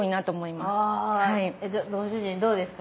ご主人どうですか？